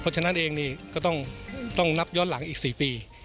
เพราะฉะนั้นเองนี่ก็ต้องนับย้อนหลังอีก๔ปี